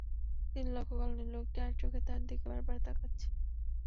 তিনি লক্ষ করলেন, লোকটি আড়চোখে তাঁর দিকে বারবার তোকাচ্ছে!